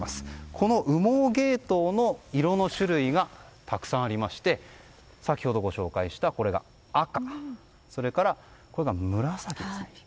この羽毛ゲイトウの色の種類がたくさんあって先ほどご紹介した赤それから紫ですね。